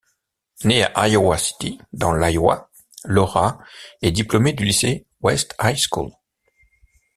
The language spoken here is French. Née à Iowa City, dans l'Iowa, Laura est diplômée du lycée, West High School.